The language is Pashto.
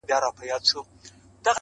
لښکر پردی وي خپل پاچا نه لري؛